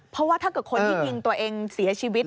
เพราะว่าถ้าเกิดคนที่ยิงตัวเองเสียชีวิต